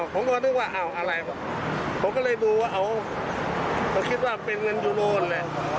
ผมก็นึกว่าอ้าวอะไรผมก็เลยดูว่าคิดว่าเป็นเงินยูโรนเลย